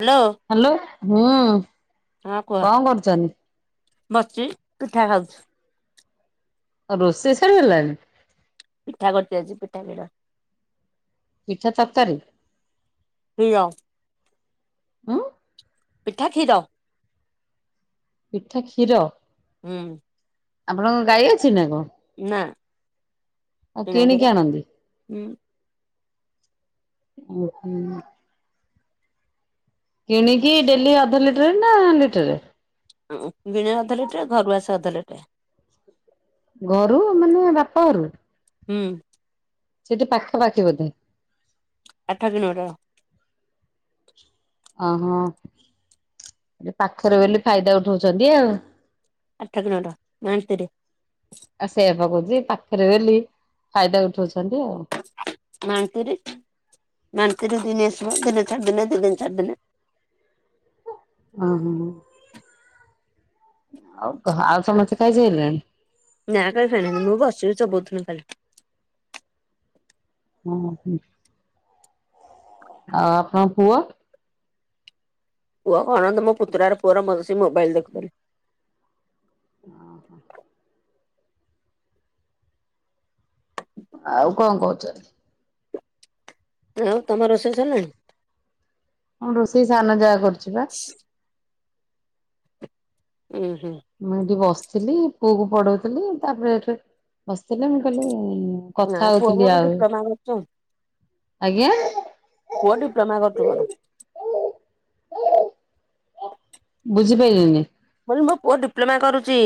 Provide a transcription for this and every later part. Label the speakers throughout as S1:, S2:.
S1: Hello.
S2: Hello ହୁଁ।
S1: ହଁ କୁହ,
S2: କଣ କରୁଛନ୍ତି?
S1: ବସିଛି ପିଠା ଖାଉଛିୁ।
S2: ରୋଷେଇ ସାରିଗଲାଣି?
S1: ପିଠା କରିିଛି ଆଛି ପିଠା ପୀଡ଼।
S2: ପିଠା ତରକାରୀ।
S1: ପିଳ।
S2: ଉଁ
S1: ପିଠା, କ୍ଷୀର।
S2: ପିଠା କ୍ଷୀର?
S1: ହୁଁ।
S2: ଆପଣଙ୍କ ଗାଈ ଅଛି ନା କଣ?
S1: ନା।
S2: ଆ
S1: କିଣା
S2: କିନିକି
S1: କ୍ଷୀର
S2: ଆଣନ୍ତି।
S1: ହୁଁ
S2: କିଣିକି ଡେଲି ଅଧ ଲିଟରେ ନା ଲିଟରେ?
S1: ଓ ବିଣେ ଅଧ ଲିଟରେ ଘରୁ ଆସେ ଅଧ ଲିଟରେ।
S2: ଘରୁ ମାନେ ବାପା ଘରୁ?
S1: ହୁଁ।
S2: ସେଠି ପାଖାପାଖି ବୋଧେ?
S1: ଆଠ କିଲୋମିଟର।
S2: ଓହୋ, ଏ ପାଖରେ ବୋଲି ଫାଇଦା ଉଠଉଛନ୍ତି ଆଉ।
S1: ଆଠ କିଲୋମିଟର ମାଣିତିରେ।
S2: ଆ ସେଇୟା ପା କହୁଛି ପାଖରେ ବୋଲି ଫାଇଦା ଉଠଉଛନ୍ତି ଆଉ।
S1: ମାନ୍ତିରି ମାନ୍ତିରୀ ଦିନେ ଆସିବ ଦିନ ଛାଡ଼ି ଦିନେ ଦି ଦିନ ଛାଡି ଦିନେ।
S2: ଓହୋ, ଆଉ କହ ଆଉ ସମସ୍ତେ ଖାଇ ସାଇଲେଣି?
S1: ନା ଖାଇସାରିଲେଣି ମୁଁ ବିସିଛି ଚୋବଉ ଥିଲି ଖାଲି।
S2: ହୁଁ ହଁ ଆଉ ଆପଣଙ୍କ ପୁଅ?
S1: ପୁଅ କଣ ମୋ ପୁତୁରାର ପୁଅର ଭଲସେ ମୋବାଇଲ ଦେଖୁିଛନ୍ତି।
S2: ଓ ହୋ। ଆଉ କଣ କହୁଛନ୍ତି?
S1: ଏ ହ ତମ ରୋଷେଇ ସରିଲାଣି?
S2: ହଁ ରୋଷେଇ ସାନ ଯା କରୁଛି ବା।
S1: ଉୁଁ ହୁଁ।
S2: ମୁଁ ଏଠି ବସିଥିଲି ପୁଅ କୁ ପଢଉଥିଲି ତାପରେ ଏଠି ବସିଥିଲେ ମୁଁ କହିଲି-ଇ-ଇ-ଇ
S1: ନା
S2: କଥା
S1: ପୁଅ
S2: ହଉଥିଲି
S1: ମୋର
S2: ଆଏ,
S1: ଡିପ୍ଲୋମା କରୁଛି
S2: ଆଜ୍ଞା?
S1: ପୁଅ ଡିପଲୋମା କରୁଛି ମୋର।
S2: ବୁଝିପାରଇଲିନି।
S1: କହିଲି ମମୋ ପୁଅ ଡିପ୍ଲୋମା କରୁଛି।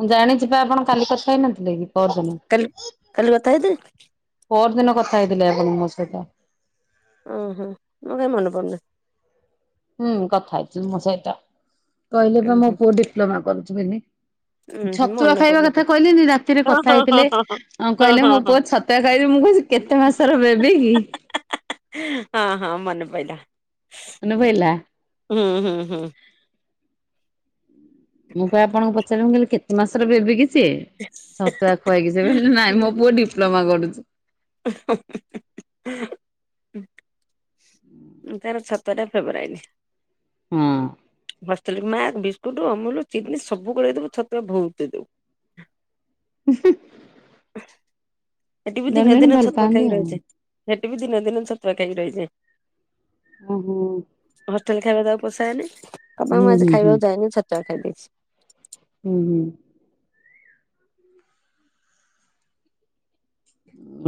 S2: ମୁଁ ଜାଣିଛି ପା ଆପଣ କାଲି କଥା ହେଇନଥିଲେ କି ପରଦିନ।
S1: କାଲି କାଲି କଥା ହେଇଥିଲେ
S2: ପଅର ଦିନ କଥା ହେଇଥିଲେ ଆପଣ ମୋ ସହିତ।
S1: ଓ ହୋ। ମୋର କାଇ ମନେ ପଡୁନି।
S2: ହୁଁ, କଥା ହେଇଥିଲ ମମୋ ସହିତ କହିଲେ
S1: ଉଁ
S2: ବା ମୋ
S1: ହୁଁ
S2: ପୁଅ ଡିପ୍ଲୋମା କରୁଛି ବୋଲି।
S1: ଉଁ ହୁଁ
S2: ଛତୁଆ
S1: ମନେ
S2: ଖାଇବା
S1: ପଡୁନି ତ
S2: କଥା କହିଲିନି ରାତିରେ
S1: ହଁ
S2: କଥା
S1: ହଁ
S2: ହେଇଥିଲେ। ହଁ କହିଲେ ମୋ
S1: ହଁ। ହଁ ହଁ ହଁ
S2: ପୁଅ ଛତୁଆ ଖାଇବି ମୁଁ କହୁଛି କେତେ ମାସ ର ବେବି କି?।
S1: ହଁ ହଁ ମନେ ପଇଲା
S2: ମନେ ପଇଲା।
S1: ହୁଁ ହୁଁ ହୁଁ।
S2: ମୁଁ ପା ଆପଣଙ୍କୁ ପଚାରିଲି ମୁ କହିଲି କେତେ ମାସରେ ବେବି କି ସିଏ? ଛତୁଆ ଖୁଆଇକି ସେ ମ ନାଇଁ ମୋ ପୁଅ ଡିପ୍ଲୋମା କରୁଚି
S1: ତାର ଛତୁଆ ଟା ଫେବୃରାଇଟ।
S2: ହଁ।
S1: ହଷ୍ଟେଲରେ ମା ବିସ୍କୁଟ୍, ଅମୁଲ, ଚିନି ସବୁ ଗୋଳେଇ ଦେବୁ ଛତୁଆ ବହୁତ ଦେଇ ଦବୁ।
S2: ହ
S1: ଏଠି ବି
S2: ଜଣେ
S1: ଦିନେ
S2: ଜଣେ
S1: ଦିନେ
S2: ଭଲ
S1: ଛତୁଆ
S2: ପାଆନ୍ତି
S1: ଖାଇକି
S2: ଆଉ।
S1: ରହିଯାଏ। ସେଠି ବି ଦିନେ ଦିନେ ଛତୁଆ ଖାଇକି ରହିଯାଏ।
S2: ଉ ହୁଁ।
S1: ହଷ୍ଟେଲ୍ ଖାଇବା ତାକୁ ପୋସାଏନି। କହିବ
S2: ହୁଁ
S1: ମୁଁ
S2: ହୁଁ
S1: ଆଜି
S2: ହୁଁ
S1: ଖାଇବାକୁ ଯାଇନି, ଛତୁଆ ଖାଇ ଦେଇଛି।
S2: ହୁଁ ହୁଁ।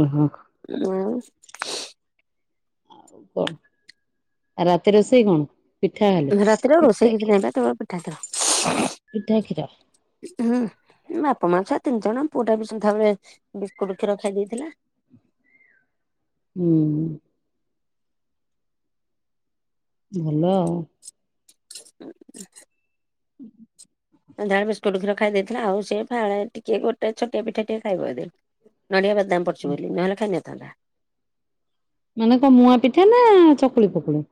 S2: ଓ ହୋ।
S1: ଆଉ।
S2: କ ଆଉ ରାତି ରୋଷେଇ କଣ? ପିଠା ଖାଲି
S1: ରାତିରେ ଆଉ
S2: ପିଠା
S1: ରୋଷେଇ କିଛି
S2: କ୍ଷୀର
S1: ନାଇ ତ କେବଳ‌ ପିଠା ଖିର।
S2: ପିଠା କ୍ଷୀର।
S1: ହୁଁ ବାପା ମା ଛୁଆ ତିନି ଜଣ ପୁଅ ଟା ବି ସନ୍ଧାବେଳେ ବିସ୍କୁଟ କ୍ଷୀର ଖାଇ ଦେଇେଇଥିଲା।
S2: ହୁଁ। ଭଲ ଆଉ।
S1: ହୁଁ
S2: ହୁଁ
S1: ସନ୍ଧ୍ୟା ବେଳେ ବିସ୍କୁଟ ଖୀର। ଖାଇ ଦେଇେଇଥିଲା ଆଉ ସେ ଫାଳେ ଟିକେ ଗୋଟେ ଛୋଟିଆ ପିଠା ଟିକେ ଖାଇବ ଯଦି। ନଡିଆ ବା ଦାମ ପଡୁଛି ବୋଲି ନହେଲେ ଖାଇ ନଥାନ୍ତା।
S2: ମାନେ କଁ ମୁଁଆ ପିଠା ନା ଚକୁଳି ପକୁଳି?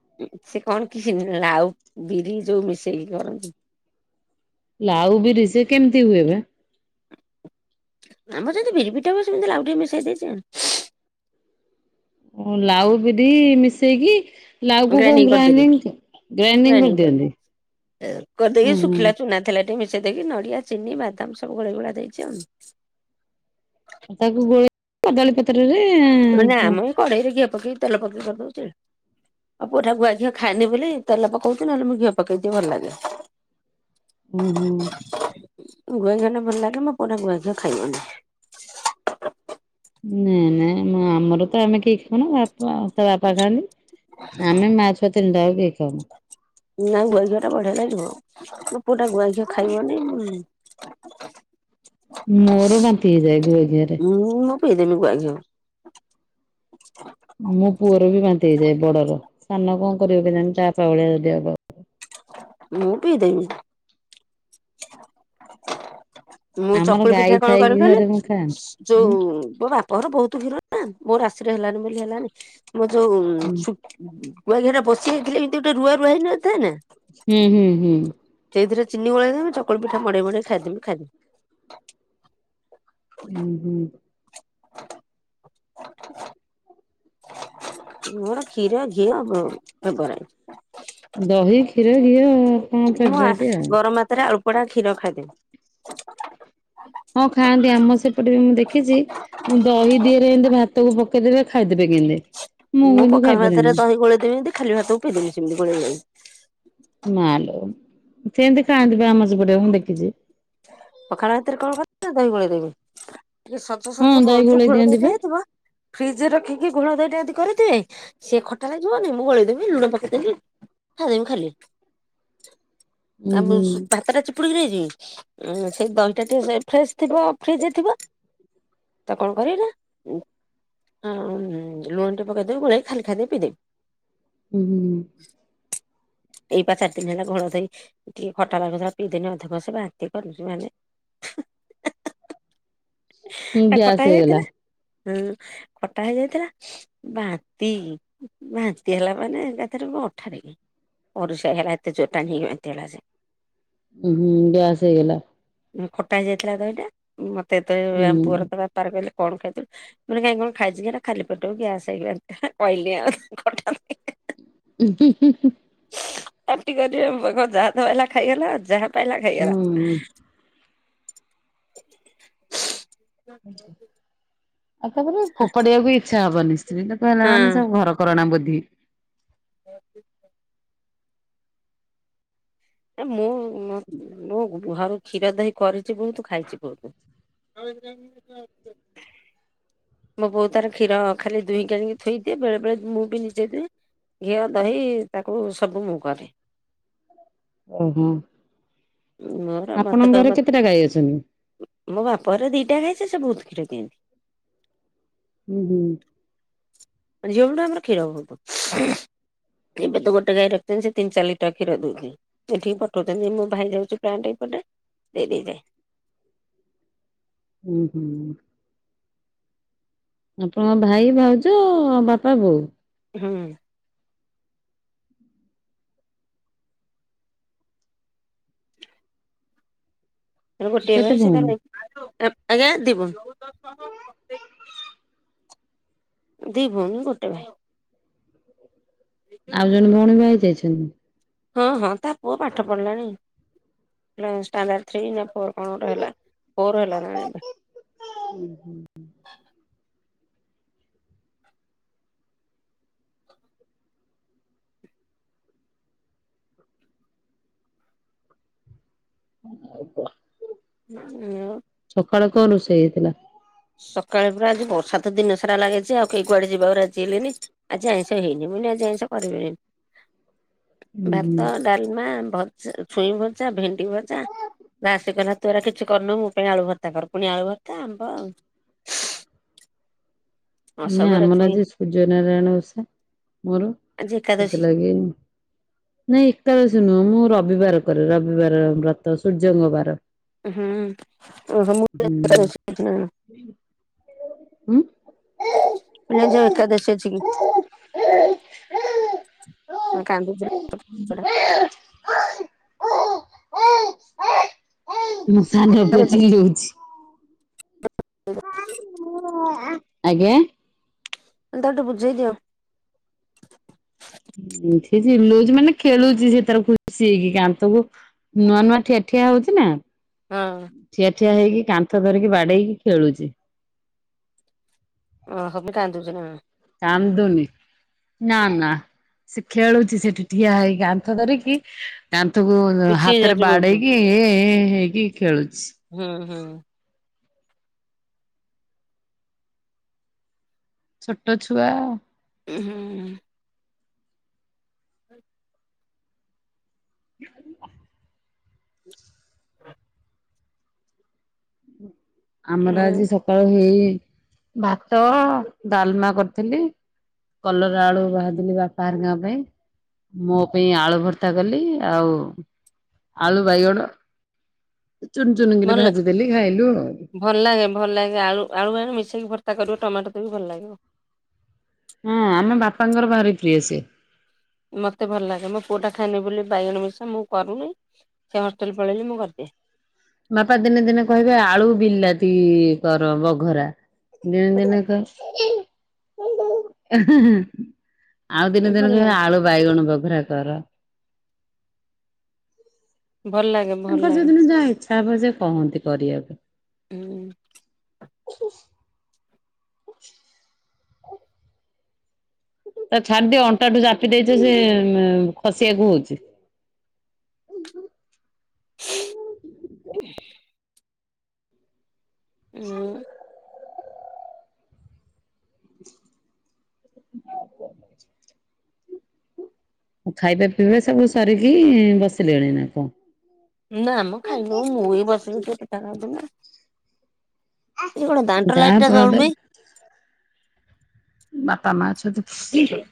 S1: ସେ କଣ କି ଲାଉ ବିରି ଯୋଉ ମିଶେଇକି କରନ୍ତି।
S2: ଲାଉ ବିରି ସେ କେମିତି ହୁଏ ବା?
S1: ଆମର ଯେମତି ଭିରି ପିଟା ହୁଏ ସେମତି ଲାଉ ଟିକିଏ ମିଶାଇ ଦେଇଛ ଆଉ।
S2: ଓ ଲାଉ ବିରି ମିଶେଇକି। ଲାଉକୁ କଣ
S1: ଗ୍ରାଇଣ୍ଡିଙ୍ଗ କରିଦେଲି
S2: ଗ୍ରାଇନିଙ୍ଗ ଗ୍ରାଇନିଙ୍ଗ
S1: ଗ୍ରାଇଣ୍ଡିଙ୍ଗ କରିଦେଲି
S2: କରିଦିଅନ୍ତି। ଉଁ
S1: କରିଦେଇକି
S2: ହୁଁ।
S1: ଶୁଖିଲା ଚୁନା ଥିଲା ଟିକେ ମି ସେଇ ଦେଇକି ନଡିଆ ଚିନି ବାଦାମ ସବୁ ଗୋଳେଇ ଗୁଳା ଦେଇଛି ଆଉ।
S2: ତାକୁ ଗୋଳେଇ କଦଳୀ ପତ୍ରରେ
S1: କଢେଇରେ ଘିଅ ପକେଇିକି ତେଲ ପକେଇକି କରିଦଉଛି। ମୋ ପୁଅ ଟା ଗୁଆ ଘିଅ ଖାଏନି ବୋଲି ତେଲ ପକଉଛି ନହେଲେ ମୁଁ ଘିଅ ପକେଇ ଦିଏ ଭଲ ଲାଗେ।
S2: ଉଁ ହୁଁ।
S1: ଗୁଆ ଘିଆ ଟା ଭଲ ଲାଗେ ମୋ ପୁଅଟା ଗୁଆଘିଆ ଖାଇବନି।
S2: ନାଇଁ ନାଇଁ ମୋ ଆମର ତ ଆମେ କେହି ଖାଉ ନା ବା ପା ଆଉ ତା ବାପା ଖାଆନ୍ତି ଆମେ ମା ଛୁଆ ତିନିଟା ଯାକ କେହି ଖାଉନା।
S1: ନା ଗୁଆ ଘିଅ ଟା ବଢିଆ ଲାଗିବ ମୋ ପୁଅଟା ଗୁଆ ଘିଅ ଖାଇବନି ଉଁ।
S2: ମୋର ବାନ୍ତି ହେଇଯାଏ ଗୁଆଘିଅରେ।
S1: ହୁଁ ମୁଁ ପି ଦେମି ଗୁଆ ଘିଅ।
S2: ମୋ ପୁଅର ବି ବାନ୍ତି ହେଇଯାଏ ବଡର ସାନ କଣ କରିବ କେଜାଣି ଚା ବାପା ଭଳିଆ ଯଦି ହବ।
S1: ମୁଁ ପିଇ ଦେମି। ମୁଁ
S2: ଆମର
S1: ଚକୁଳି
S2: ଗାଈ
S1: ପିଠା କଣ
S2: ଥାଇକି
S1: କରେ କହିଲେ
S2: ଘରେ ମୁଁ ଖାଏନା। ହୁଁ
S1: ଯୋଉ ମୋ ବା ପ ଘର ବହୁତ କ୍ଷୀର ନା ମୋର ରାଶିରେ ହେଲାନି ବୋଲି ହେଲାନି ମୋ ଯୋଉ ଶୁ
S2: ହୁଁ
S1: ଗୁଆଘିଅ ଟା ବସିିଯାଇଥିଲେ ଏମିତି ଗୋଟେ ରୁଆ ରୁଆ ହେଇ ନ ଥାଏ ନା।
S2: ହୁଁ ହୁଁ ହୁଁ।
S1: ସେଇଥିରେ ଚିନି ଗୋଳେଇ ଦେମି ଚକୁଳି ପିଠା ରେ ମଡେଇ ମଡେଇ ଖାଇଦେ ମୁଁ ଖାଇଦେମି।
S2: ଉଁ ହୁଁ।
S1: ମୋର କ୍ଷୀର ଘିଅ ବ ଫେବରାଇଟ୍।
S2: ଦହି କ୍ଷୀର ଘିଅ।
S1: ମୁଁ ଆ
S2: ଫେବରାଇଟ ଆଉ।
S1: ଗରମ ଭାତରେ ଆଳୁପଡା କ୍ଷୀର ଖାଇଦେବି।
S2: ହଁ ଖାଆନ୍ତି ଆମ ସେପଟେ ବି ମୁଁ ଦେଖିଛି ଦହି ଦିହରେ ଏମିତି ଭାତ ତାକୁ ପକେଇଦେବେ ଖାଇଦେବେ କେମିତି ମୁଁ କିନ୍ତୁ
S1: ପଖାଳ ଭାତରେ
S2: ଖାଇପାରେନି।
S1: ଦହି ଗୋଳେଇ ଦେବି ଏମିତି। ଖାଲି ଭାତକୁ ପେଇଦେମି ସେମିତି ଗୋଳେଇ ଗୋଳେଇ।
S2: ମାଲୋ ସେମିତି ଖାଆନ୍ତି ବା ଆମ ସେପଟେ ମୁଁ ଦେଖିଛି।
S1: ପଖାଳ ଭାତରେ କଣ କରେ ନା ଦହି ଗୋଳେଇ ଦେବି ଟିକେ ସଜ
S2: ହଁ
S1: ସଜ
S2: ଦହି
S1: ଯୋଉ
S2: ଗୋଳେଇ
S1: ଘୋଳ
S2: ଦିଅନ୍ତି ବା।
S1: ଦହିଟା ହେଇଥିବ। ଫ୍ରିଜରେ ରଖିକି ଘୋଳ ଦହି ଟା କରିଥିବେ। ସିଏ ଖଟା ଲାଗିବନି ମୁଁ ଗୋଳେଇଦେମି ଲୁଣ ପକେଇଦେମି ଖାଇଦେମି ଖାଲି।
S2: [inaudible] ଉଁ
S1: ଆମ
S2: ହୁଁ
S1: ଭାତଟା ଚିପୁଡିକି ନେଇଯିମି ସେଇ ଦହିଟା ଟିକେ ଫ୍ରେଶ ଥିବ ଫ୍ରିଜରେ ଥିବ। ଆଉ କଣ କରିବି ନା ହଁଁ ଲୁଣ ଟିକେ ପକେଇଦେବି ଗୋଳାଇ ଖାଲି ଖାଇଦେବି ପିଇଦେବି।
S2: ହୁଁ।
S1: ଏଇପା ଚାରି ଦିନ ହେଲା ଘୋଳ ଧୋଇ ଟିକେ ଖଟା ଲାଗୁଥିଲା ପିଇ ଦିନ ଅଧକସେ ବା ବାନ୍ତି କନି ମାନେ।
S2: [inaudible] ହୁଁ
S1: ଏଟା
S2: ଗ୍ୟାସ୍
S1: ଖଟା
S2: ହେଇଗଲା
S1: ହେଇଯାଇଥିଲା ହୁଁ ଖଟା ହେଇଯାଇଥିଲା। ବାନ୍ତି ବାନ୍ତି ହେଲା ମାନେ ଏକାଥରେ ମୋ ଅଠାଠିକ। ପରିସଇଆ ବାନ୍ତି ଯୋଉ ଟାଣି ହେଇକି ବାନ୍ତି ହେଲା ଯେ।
S2: ହୁଁ ଗ୍ୟାସ ହେଇଗଲା।
S1: ଖଟା ହେଇଯାଇଥିଲା ଦହିଟା ମତେ ଯେତେ
S2: ହୁଁ
S1: ଆମ ପୁଅର ତା ବାପାର କହିଲେ କଣ ଖାଇଥିଲୁ? ମୁଁ କହିନି କାଇଁ କଣ ଖାଇଚିକି ହେରା ଖାଲି ପେଟକୁ ଗ୍ୟାସ ହେଇଗଲା କହିଲିନି ଆଉ ଖଟା ଦହି
S2: ହୁଁ ହୁଁ ହୁଁ।
S1: ପାଟି କଲେ ଯାହା ତ ପାଇଲା ଖାଇଗଲା ଯାହା ପାଇଲା ଖାଇଗଲା।
S2: ହୁଁ। ଆଉ ତାପରେ ଫୋପାଡିବାକୁ ଇଚ୍ଛା ହବନି ସ୍ତ୍ରୀ ଲୋକ ହେଲା
S1: ହଁ
S2: ମାନେ ସବୁ ଘର କରନା ବୁଦ୍ଧି।
S1: [inaudible] ଏ ମୁଁ ମୁ ମୁଁ ଘରୁ କ୍ଷୀର ଦହି କରିଛି ବହୁତ ଖାଇଛି ବହୁତ।
S2: [inaudible]
S1: ମୋ ବୋଉ ତାର କ୍ଷୀର ଖାଲି ଦୁହିଁ ଆଣିକି ଥୋଇଦିଏ ବେଳେ ବେଳେ ମୁଁ ବି ନିଜେ ଦୁଏ। ଘିଅ ଦହି ତାକୁ ସବୁ ମୁଁ କରେ।
S2: ଓହୋ
S1: ମୋର ମତେ
S2: ଆପଣ
S1: କ
S2: ଘରେ
S1: ମତେ
S2: କେତେଟା ଗାଈ ଅଛନ୍ତି?
S1: ମୋ ବାପାର ଦିଟା ଖାଇ ସେ ବହୁତ କ୍ଷୀର ଦିଅନ୍ତି।
S2: ହୁଁ ହୁଁ।
S1: ଝିଅ ବେଲୁଠୁ ଆମର କ୍ଷୀର ବହୁତ। ଏବେ ତ ଗୋଟେ ଗାଈ ରଖିଛନ୍ତି ସେ ତିନି ଚାରି ଲିଟର ଖିର ଦଉଛି। ଏଠିକି ପଠଉଛନ୍ତି ଯେ ମୁଁ ଭାଇ ଯାଉଛି ପ୍ଲାଣ୍ଟ ଏପଟେ ଦେଇ ଦେଇଯାଏ।
S2: ହୁଁ ହୁଁ। ଆପଣଙ୍କ ଭାଇ ଭାଉଜ ବାପା ବୋଉ।
S1: ହୁଁ। ତାର ଗୋଟିଏ
S2: କେତେ
S1: ଭାଇ
S2: ଭଉଣୀ
S1: ସେତାର ଆଜ୍ଞା ଦି ଭୋଉଣି। ଦି ଭଉଣୀ ଗୋଟେ ଭାଇ।
S2: ଆଉ ଜଣେ ଭଉଣୀ ବାହା ହେଇ ଯାଇଛନ୍ତି।
S1: ହଁ ହଁ ତା ପୁଅ ପାଠ ପଢ଼ିଲାଣି। ହେ ଷ୍ଟାଣ୍ଡାଡ ଥ୍ରୀ ନା ଫୋର୍ କଣ ଗୋଟେ ହେଲା ଫୋର ହେଲା ନା କଣ ଏବେ।
S2: ହୁଁ ହୁଁ। ଆଉ କଣ?
S1: [unintelligible]
S2: ସକାଳୁ କଣ ରୋଷେଇ ହେଇଥିଲା।
S1: ସକାଳେ ପୁରା ଆଜି ବର୍ଷାତ ଦିନ ସାରା ଲାଗିଛି ଆଉ କେହି କୁଆଡେ ଯିବାରୁ ଆଜି ହେଲେନି। ଆଜି ଆଇଁଷ ହେଇନି ମୁୁନି ଆଜି ଆଇଁଷ କରିବିନିି
S2: ଉଁ ହୁଁ
S1: ଭାତ ଡାଲମା ଭଜା ଛୁଇଁ ଭଜା ଭେଣ୍ଡି ଭଜା ନା ଆସିକି ନା ତୁା କିଛି କରିନୋଉ ମୋ ପାଇଁ ଆଳୁ ଭର୍ତ୍ତା କର ପୁଣି ଆଳୁ ଭର୍ତା ଆମ୍ବ ଆଉ
S2: ନା
S1: ଅସମର
S2: ଆମର
S1: ଛୁଇଁ
S2: ଆଜି ସୂର୍ଯ୍ୟ ନାରାୟଣ ଓଷା ମୋର
S1: ଆଜି ଏକାଦଶୀ
S2: ସେଥିଲାଗି ନାଇଁ ଏକାଦଶୀ ନୁହଁ ମୁଁ ରବିବାର କରେ ରବିବାର ବ୍ରତ ସୂର୍ଯ୍ୟଙ୍କ ବାର।
S1: ହୁଁ
S2: ହୁଁ
S1: ରହ୍
S2: ଉଁ
S1: ମୁ [unintelligible] ଏକାଦଶୀ ଅଛି କି? ମା କାନ୍ଦୁଛୁ
S2: ମୋ ସାନ ପୁଅ
S1: ତାକୁ
S2: ଚିଲଉଛି। ଆଜ୍ଞା
S1: ତାକୁ ଟିକେ ବୁଝେଇ ଦିଅ।
S2: ସେ ଚିଲଉଛି ମାନେ ଖେଳୁଛି ସେ ତାର ଖୁସି ହେଇକି କାନ୍ଥ କୁ ନୂଆ ନୂଆ ଠିଆ ଠିଆ ହଉଛି ନା
S1: ହଁ
S2: ଠିଆ ଠିଆ ହେଇକି କାନ୍ଥ ଧରିକି ବାଡେଇକି ଖେଳୁଛି।
S1: ଓ ହୋ ମୁ କାନ୍ଦୁଛି ନା।
S2: କନ୍ଦୁନି। ନା ନା ସେ ଖେଳୁଛି ସେଠି ଠିଆ ହେଇକି କାନ୍ଥ ଧରିକି କାନ୍ଥକୁ
S1: ପୁଚି
S2: ହାତରେ
S1: ହେଇଯାଉଛି ବହୁତ
S2: ବାଡେଇକି ଏଁ ଏଁ ହେଇକି ଖେଳୁଛି।
S1: ହୁଁ ହୁଁ।
S2: ଛୋଟ ଛୁଆ
S1: ଉଁ ହୁଁ।
S2: ଆମର
S1: ହୁଁ
S2: ଆଜି ସକାଳୁ ହେଇ ଭାତ ଡାଲମା କରିଥିଲି। କଲରା ଆଳୁ ଭାଜିଲି ବାପା ହେରିକା ଙ୍କ ପାଇଁ। ମୋ ପାଇଁ ଆଳୁ ଭର୍ତ୍ତା କଲି ଆଉ ଆଳୁ ବାଇଗଣ ଚୁନ ଚୁନ କିିରି
S1: ଭଲ
S2: ଭାଜିଦେଲି ଖାଇଲୁ ଆଉ।
S1: ଭଲ ଲାଗେ ଭଲ ଲାଗେ ଆଳୁ ଆଳୁ ବାଇଗଣ ମିଶେଇକି ଭର୍ତ୍ତା କରିବ ଟମାଟୋ ଦେଇ ଭଲ ଲାଗିବ।
S2: ହଁ ଆମ ବାପାଙ୍କର ଭାରି ପ୍ରିୟ ସିଏ।
S1: ମତେ ଭଲ ଲାଗେ ମୋ ପୁଅଟା ଖାଏନି ବୋଲି ବାଇଗଣ ବେଶା ମୁଁ କରୁନି ସେ ହଷ୍ଟେଲ ପଳେଇଲେ ମୁଁ କରିଦିଏ।
S2: ବାପା ଦିନେ ଦିନେ କହିବେ ଆଳୁ ବିଲାତି କର ବଘରା। ଦିନେ ଦିନେ କ ଆଉ ଦିନେ
S1: ଭଲ
S2: ଦିନେ
S1: ଲାଗେ
S2: କହିବେ ଆଳୁ ବାଇଗଣ ବଘରା କର।
S1: ଭଲ ଲାଗେ। ଭଲ
S2: ତାଙ୍କର
S1: ଲାଗେ
S2: ଯଉଦିନ ଯାହା ଇଚ୍ଛା ହବ ସେ କହନ୍ତି କରିବାପାଇଁ।
S1: ହୁଁ।
S2: ତାକୁ ଛାଡିଦିଅ ଅଣ୍ଟାଠୁ ଚାପି ଦେଇଛ ସେ ଖସିବାକୁ ହଉଛି।
S1: [inaudible] ଆଉ
S2: [inaudible] [inaudible] ଖାଇବା ପିଇବା ସବୁ ସାରିକି ବସିଲେଣି ନା କଣ?
S1: ନା ମ ଖାଇନଉ ମୁଁ ଏଇ ବସିବି ଟିକେ ପିଠା ଖାଉଥିଲିନା। ଏ କଣ ଦାଣ୍ଡର ଲାଇଟ ଟା
S2: ତାପରେ
S1: ଜଳୁନେଇ?
S2: ବାପା ମା ଅଛନ୍ତି ଖୁସିରେ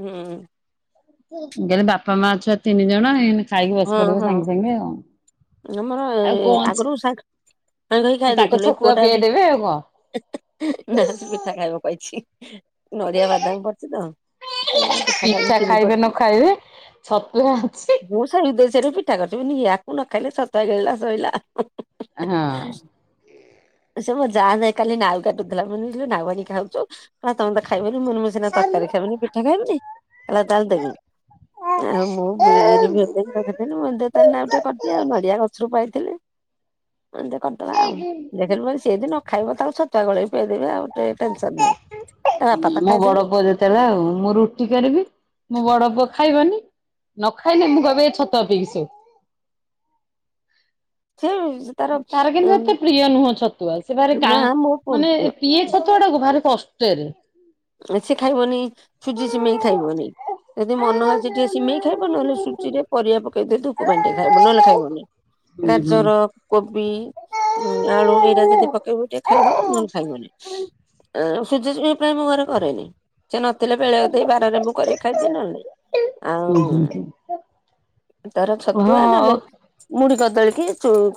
S1: ହୁଁ।
S2: କହିଲି ବାପା ମା ଛୁଆ ତିନି ଜଣ ଏଇନେ ଖାଇକି ବସି
S1: ହଁ
S2: ପଡିବ
S1: ହଁ
S2: ସାଙ୍ଗେ ସାଙ୍ଗେ ଆଉ
S1: ଆମର
S2: ଆଉ କଣ
S1: ଆଗରୁ ସା ସାଙ୍ଗ ହେଇ ଖାଇ
S2: ଅଛି। ତାକୁ
S1: ଦଉଥିଲୁ ଏଇ
S2: ଛତୁଆ
S1: ପୁଅଟା ଏବେ
S2: ପିଆଇ ଦେବେ ଆଉ କଣ।
S1: ନା ଆଜି ପିଠା ଖାଇବ କହିଛି ନଡିଆ ବାଦାମ ପଡିଛି ତ। କହିଲା ମା ପିଠା ଖାଇବି ଚିନି
S2: ଖାଇବେ ନ
S1: ପଡିଚି
S2: ଖାଇବେ ଛତୁଆ ଅଛି
S1: ବୋ ସେଇଦେଶରେ ପିଠା କରିବିନି ଆକୁ ନ ଖାଇଲେ ଶସ୍ତା ଗିଳିଲା ଶୋଇଲା।
S2: ହଁ।
S1: ସେ ମୋ ଯାଆ ନାଁ କାଲି ନାଉ କାଟୁଥିଲା ମୁଁ କହିଲି [unintelligible] ନାଉଭାରି ଖାଉଛୁ। କହିଲା ତମେ ତ ଖାଇବନି ମୁଁ କହିଲି ମୁଁ ସିନା ତରକାରୀ ଖାଇବିନି ପିଠା ଖାଇବିନି। [unintelligible] ନାଆଁ ମୁଁ [unintelligible] ରଖିଥିଲି ମୁଁ ଦେ [unintelligible] ଆଉ ଟିକେ କରିଦେଲି ଆଉ ନଡିଆ ଗଛରୁ ପାଇଥିଲି କହିଲି ଟିକେ କରିଦବା ଆଉ [unintelligible] ସେ ଯଦି ନ ଖାଇବ ତାକୁ ଛତୁଆ ଗୋଳେଇ ପିଇଦେବି ଆଉ ଟ ଟେନସନ ନାହିଁ। ତା ବାପା ତ
S2: ମୋ ବଡ
S1: ଖାଇଦେଲେ।
S2: ପୁଅ ଯେତେବେଳେ ଆଉ ମୁଁ ରୁଟି କରିବି ମୋ ବଡ ପୁଅ ଖାଇବନି। ନ ଖାଇଲେ ମୁଁ କହିବି ଛତୁଆ ପିଇକି ଶୋ।
S1: [unintelligible]
S2: ତାର କିନ୍ତୁ
S1: ଉଁ
S2: ଏତେ ପ୍ରିୟ ନୁହଁ ଛତୁଆ ସେ ଭାରି କା
S1: ନା ମୋ ପୁଅ
S2: ମାନେ
S1: ପ୍ରିୟ
S2: ପିଏ। ଛତୁଆ ଗୁଡାକ ଭାରି କଷ୍ଟରେ
S1: ହେରା ସେ ଖାଇବନି ସୁଜି ସିମେଇ ଖାଇବନି। ଯଦି ମନ ହେଇଚି ଟିକେ ସିମେଇ ଖାଇବ ନହେଲେ ସୁଜିରେ ପରିବା ପକେଇଦେଲେ ଉପମା ଟିକେ ଖାଇବ। ନହେଲେ ଖାଇବନି।
S2: ହୁଁ ହୁଁ।
S1: ଗାଜର କୋବି ଆଳୁ ଏଇଟା ଯଦି ପକେଇବୁ ଟିକେ ଖାଇବ ନହେଲେ ଖାଇବନି। ଆ ସୁଜି ସିମେଇ ପ୍ରାୟ ମୁଁ ଘରେ କରେନି। ସେ ନଥିଲେ ବେଳେ ଅଧେ ବାରରେ ମୁଁ କରିକି ଖାଇଦିଅ ନହେଲେ ନାଇଁ।
S2: ହୁଁ
S1: ଆଉ
S2: ହୁଁ
S1: ତାର
S2: ହଁ
S1: ଛତୁଆ ନହେଲେ
S2: ଆଉ
S1: ମୁଢ଼ି କଦଳୀ କି ଚୁ